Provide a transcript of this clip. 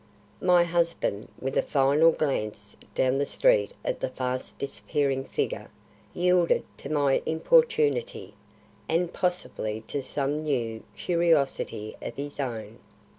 My husband, with a final glance down the street at the fast disappearing figure, yielded to my importunity, and possibly to some new curiosity of his own.